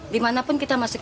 dimanapun kita masuk